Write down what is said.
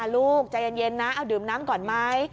ลูกใจเย็นนะเอาดื่มน้ำก่อนไหม